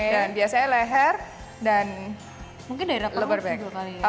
dan biasanya leher dan leber back